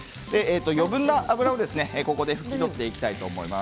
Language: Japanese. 余分な油を、ここで拭き取っていきたいと思います。